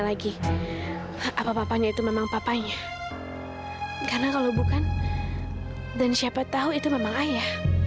sampai jumpa di video selanjutnya